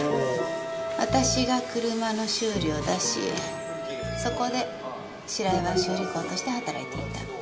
私が車の修理を出しそこで白井は修理工として働いていた。